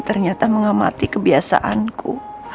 ternyata mengamati kebiasaanku